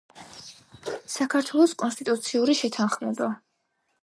საქართველოს კონსტიტუციური შეთანხმება;